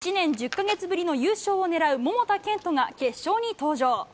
１年１０か月ぶりの優勝を狙う桃田賢斗が決勝に登場。